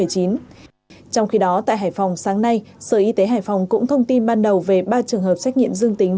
trong khi đó tại hải phòng sáng nay sở y tế hải phòng cũng thông tin ban đầu về ba trường hợp xét nghiệm dương tính